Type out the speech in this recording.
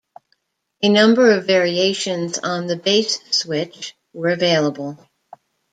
A number of variations on the base switch were available.